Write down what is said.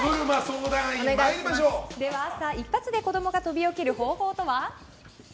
では朝、一発で子供がベッドから飛び起きる方法とは？